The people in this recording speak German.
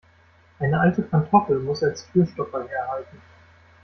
Eine alte Pantoffel muss als Türstopper herhalten.